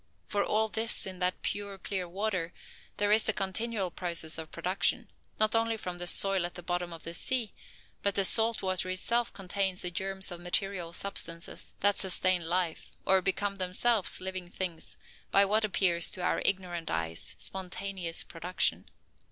For all this, in that pure, clear water, there is a continual process of production, not only from the soil at the bottom of the sea, but the salt water itself contains the germs of material substances, that sustain life, or become, themselves, living things, by what appears, to our ignorant eyes, spontaneous production.